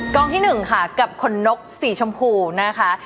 กล่องที่๑ค่ะกับคนนกสีชมพูนะคะ